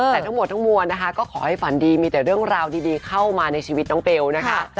แต่ทั้งหมดทั้งมวลนะคะก็ขอให้ฝันดีมีแต่เรื่องราวดีเข้ามาในชีวิตน้องเบลนะคะ